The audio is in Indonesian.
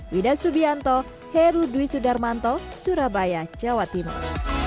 widah subianto heru dwi sudarmanto surabaya jawa timur